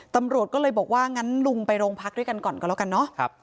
ตำรวจก็เลยบอกว่างั้นลุงไปโรงพักด้วยกันก่อนก็แล้วกันเนาะ